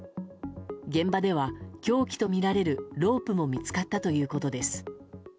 現場では凶器とみられるロープも見つかったということです。